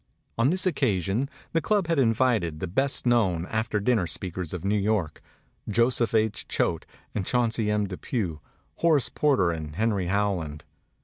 On this occasion the club had invited the best known after dinner speakers of New York, Joseph H. Choate, and Chauncey M. Depew, Horace Porter and Henry Howland.